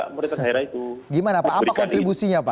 pemerintah daerah itu gimana pak apa kontribusinya pak